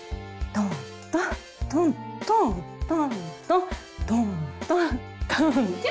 トントントントントントントントントン。